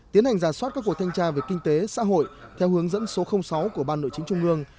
tiến hành giả soát các cuộc thanh tra về kinh tế xã hội theo hướng dẫn số sáu của ban nội chính trung ương